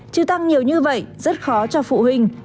chứ tăng nhiều như vậy rất khó cho phụ huynh